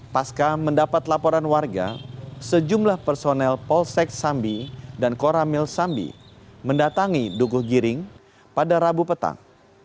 pasca mendapat laporan warga sejumlah personel polsek sambi dan koramil sambi mendatangi dukuh giring pada rabu petang